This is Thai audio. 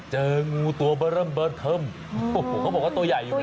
เจองงูตัวเบิรั่มเบิร์ชเทิมโอ้โหเขาบอกว่าตัวใหญ่เป็นกันนะ